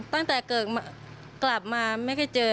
ตั้งแต่เกิดกลับมาไม่เคยเจอ